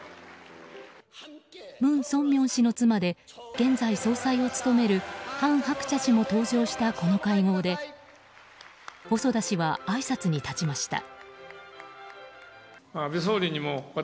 文鮮明氏の妻で現在総裁を務める韓鶴子氏も登場したこの会合で細田氏はあいさつに立ちました。